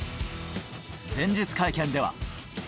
前日会見では。